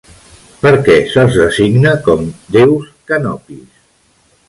Per què se'ls designa com "déus canopis"?